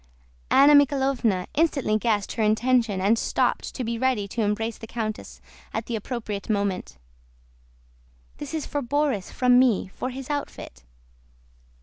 Anna Mikháylovna instantly guessed her intention and stooped to be ready to embrace the countess at the appropriate moment. "This is for Borís from me, for his outfit."